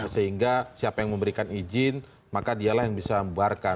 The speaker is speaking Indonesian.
sehingga siapa yang memberikan izin maka dialah yang bisa membuarkan